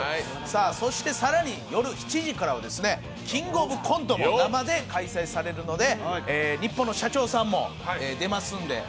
そして更に、夜７時からは「キングオブコント」が生で開催されるのでニッポンの社長さんも出ますので。